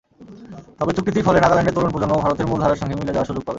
তবে চুক্তিটির ফলে নাগাল্যান্ডের তরুণ প্রজন্ম ভারতের মূলধারার সঙ্গে মিলে যাওয়ার সুযোগ পাবে।